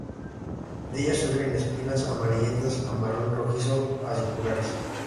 De ellas surgen espinas amarillentas a marrón rojizo aciculares.